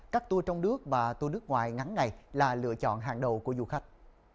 các tour trong nước và tour nước ngoài ngắn ngày là lựa chọn hàng đầu của du khách